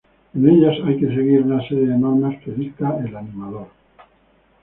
En ellas hay que seguir una serie de normas que dicta el animador.